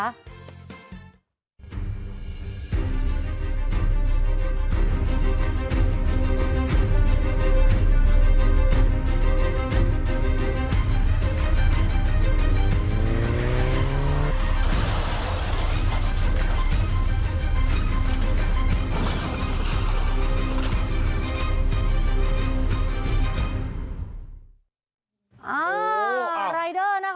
ทุกวัน๒๑เซ็นติน๕๐บาท